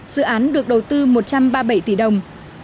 dự án được đầu tư một trăm ba mươi bảy tỷ đồng